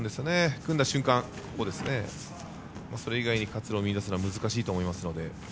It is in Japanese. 組んだ瞬間、それ以外に活路を見いだすのは難しいと思いますので。